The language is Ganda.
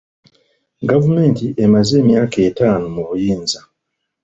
Gavumenti emaze emyaka etaano mu buyinza.